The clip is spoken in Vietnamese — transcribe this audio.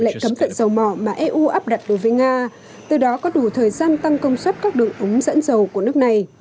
lệnh cấm vận dầu mỏ mà eu áp đặt đối với nga từ đó có đủ thời gian tăng công suất các đường ống dẫn dầu của nước này